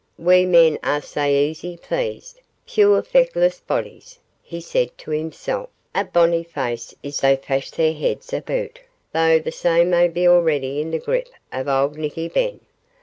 'Weemen are sae easy pleased, puir feckless bodies,' he said to himself, 'a bonny face is a' they fash their heads aboot, though the same may be already in the grip of auld Nickyben.